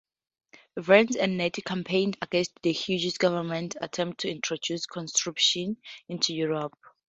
Vance and Nettie campaigned against the Hughes government's attempt to introduce conscription into Australia.